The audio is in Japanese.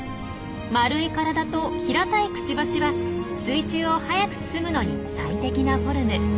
丸い体と平たいくちばしは水中を速く進むのに最適なフォルム。